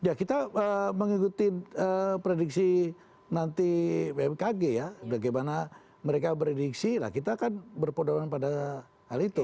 ya kita mengikuti prediksi nanti bmkg ya bagaimana mereka prediksi lah kita akan berpodaran pada hal itu